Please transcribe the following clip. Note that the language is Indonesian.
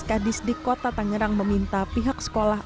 kadis di kota tangerang meminta pihak sekolah